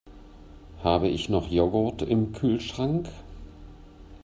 Habe ich noch Joghurt im Kühlschrank?